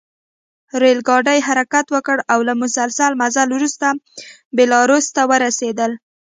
ریل ګاډي حرکت وکړ او له مسلسل مزل وروسته بیلاروس ته ورسېدل